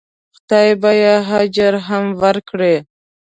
خدای به یې اجر هم ورکړي.